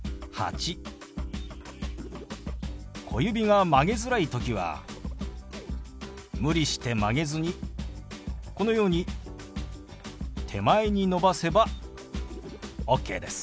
小指が曲げづらい時は無理して曲げずにこのように手前に伸ばせばオッケーです。